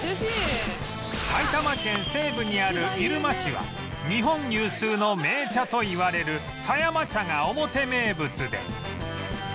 埼玉県西部にある入間市は日本有数の銘茶といわれる狭山茶がオモテ名物で